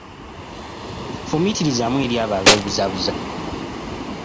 Fumiitirizaamu eri abo abeebuzaabuza.